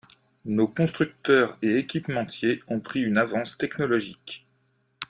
Nos constructeurs et équipementiers ont pris une avance technologique.